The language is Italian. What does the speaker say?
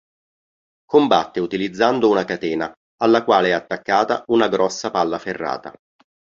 Combatte utilizzando una catena alla quale è attaccata una grossa palla ferrata.